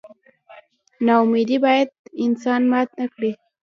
نا امیدي باید انسان مات نه کړي.